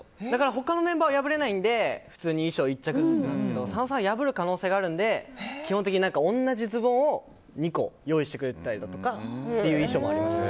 他のメンバーは破れないので普通に衣装は１着ずつなんですけど佐野さんは破る可能性があるので基本的に同じズボンを２個用意してくれたりという衣装もあります。